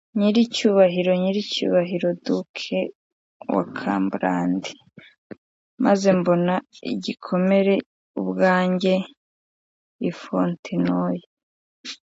Nyiricyubahiro Nyiricyubahiro Duke wa Cumberland, maze mbona igikomere ubwanjye i Fontenoy